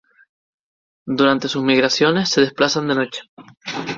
Durante sus migraciones se desplazan de noche.